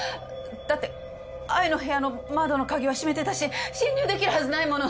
だって愛の部屋の窓の鍵は閉めてたし侵入できるはずないもの。